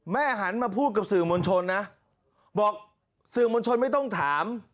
หันมาพูดกับสื่อมวลชนนะบอกสื่อมวลชนไม่ต้องถาม